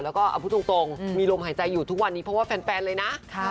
แล้วก็เอาพูดตรงมีลมหายใจอยู่ทุกวันนี้เพราะว่าแฟนเลยนะ